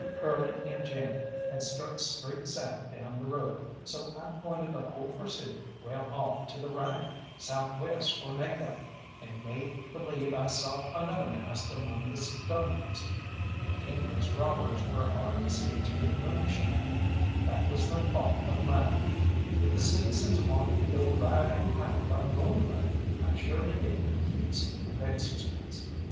Curly and Jim had struck straight south down the road, so I pointed the whole pursuit well off to the right, south west for Naco, and made believe I saw another mask among the stones. If dangerous robbers were hard to see through the moonshine, that was no fault of mine. If the citizens wanted to go riding out by moonlight, I surely gave them heaps good exercise.